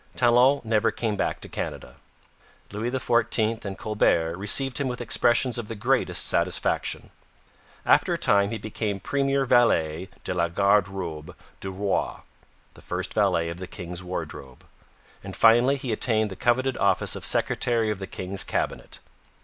Talon never came back to Canada. Louis XIV and Colbert received him with expressions of the greatest satisfaction. After a time he became premier valet de la garde robe du roi (first valet of the king's wardrobe), and finally he attained the coveted office of secretary of the king's cabinet.